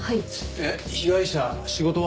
で被害者仕事は？